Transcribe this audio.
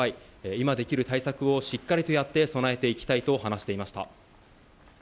今できる対策をしっかりとやって備えていきたいと話していました。